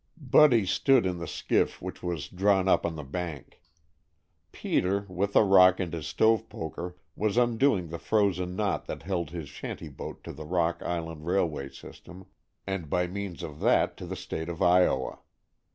Buddy stood in the skiff which was drawn up on the bank. Peter, with a rock and his stove poker, was undoing the frozen knot that held his shanty boat to the Rock Island Railway System, and by means of that to the State of Iowa.